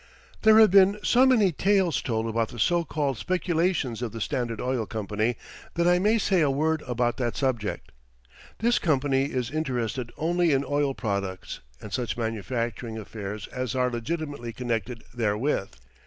There have been so many tales told about the so called speculations of the Standard Oil Company that I may say a word about that subject. This company is interested only in oil products and such manufacturing affairs as are legitimately connected therewith.